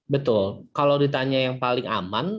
betul kalau ditanya yang paling aman